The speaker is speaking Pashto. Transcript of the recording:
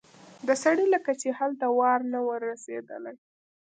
د سړي لکه چې هلته وار نه و رسېدلی.